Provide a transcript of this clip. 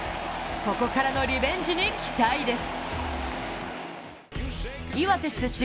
ここからのリベンジに期待です。